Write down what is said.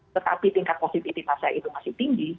tetapi tingkat positifitasnya itu masih tinggi